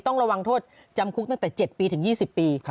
ต้องระวังโทษจำคุกตั้งแต่๗ปีถึง๒๐ปี